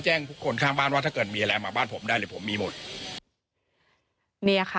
คนข้างบ้านว่าถ้าเกิดมีอะไรมาบ้านผมได้เดี๋ยวผมมีหมดเนี่ยค่ะ